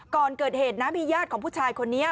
ก่อนเกิดเหตุนะมีญาติของผู้ชายคนนี้